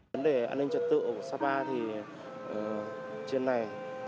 vấn đề an ninh trật tự ở sapa thì trên này